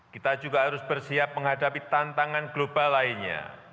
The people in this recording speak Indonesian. kita juga harus bersiap menghadapi tantangan global lainnya